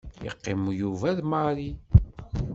Yeqqim Yuba d Mary.